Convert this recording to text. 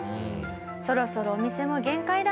「そろそろお店も限界だな」